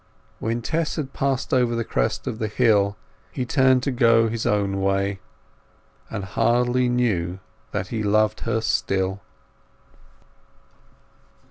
When Tess had passed over the crest of the hill he turned to go his own way, and hardly knew that he loved her still.